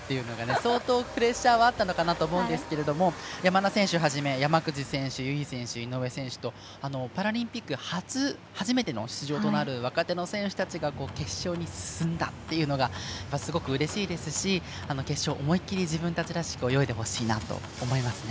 相当、プレッシャーはあったかと思いますが山田選手はじめ山口選手、由井選手井上選手とパラリンピック初めての出場となる若手の選手たちが決勝に進んだのがすごくうれしいですし決勝、思い切り自分たちらしく泳いでほしいなと思いますね。